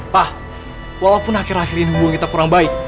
pak walaupun akhir akhir ini hubungan kita kurang baik